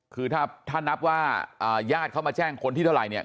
คือถ้าถ้านับว่ายาดเข้ามาแจ้งคนที่เท่าไรเนี่ย